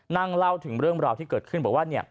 นั่งเล่าถึงเรื่องราวที่เกิดขึ้นบอกว่า